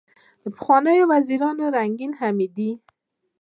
دپخوانۍ وزیرې رنګینې حمیدې